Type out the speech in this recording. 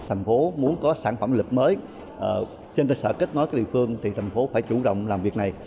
thành phố muốn có sản phẩm du lịch mới trên cơ sở kết nối các địa phương thì thành phố phải chủ động làm việc này